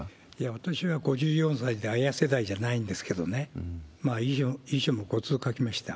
私は５４歳でＡＹＡ世代じゃないんですけどね、遺書も５通書きました。